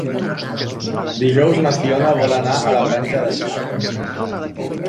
Dijous na Fiona vol anar a la Granja d'Escarp.